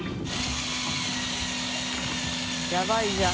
やばいじゃん。